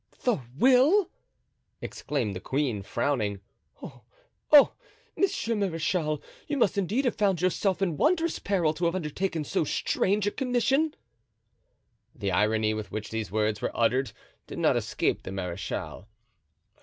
"The will!" exclaimed the queen, frowning. "Oh! oh! monsieur marechal, you must indeed have found yourself in wondrous peril to have undertaken so strange a commission!" The irony with which these words were uttered did not escape the marechal.